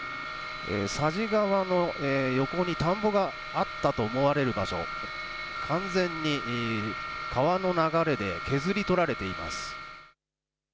佐治川の横に田んぼがあったと思われる場所、完全に川の流れで削り取られています。